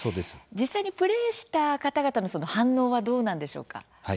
実際にプレーした方々の反応はどうなんでしょうか。